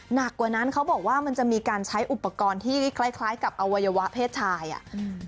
หนักกว่านั้นเขาบอกว่ามันจะมีการใช้อุปกรณ์ที่คล้ายคล้ายกับอวัยวะเพศชายอ่ะอืม